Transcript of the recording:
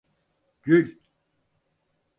Gül.